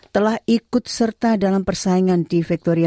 telah ikut serta dalam persaingan di victorial